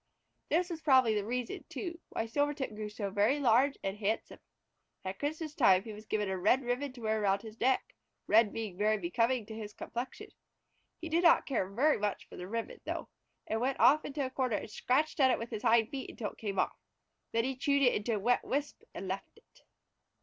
This was probably the reason, too, why Silvertip grew so very large and handsome. At Christmas time he was given a red ribbon to wear around his neck, red being very becoming to his complexion. He did not care very much for the ribbon, though, and went off into a corner and scratched at it with his hind feet until it came off. Then he chewed it into a wet wisp and left it.